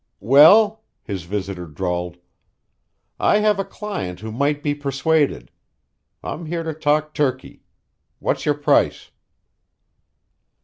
"Well," his visitor drawled, "I have a client who might be persuaded. I'm here to talk turkey. What's your price?"